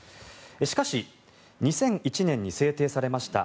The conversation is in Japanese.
しかし、２００１年に制定されました